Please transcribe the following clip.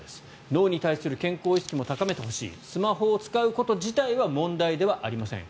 脳に対する健康意識も高めてほしいスマホを使うこと自体は問題ではありません。